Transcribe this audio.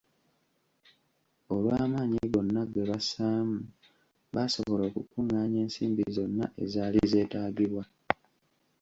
Olw'amaanyi gonna gebassaamu, baasobola okukungaanya ensimbi zonna ezaali zeetaagibwa.